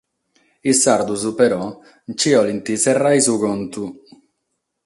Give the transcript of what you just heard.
Sos sardos però nche cherent serrare su contu.